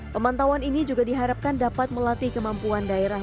pemantauan ini juga diharapkan dapat melatih kemampuan daerah